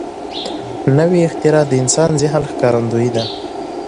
نوې اختراع د انسان ذهن ښکارندوی ده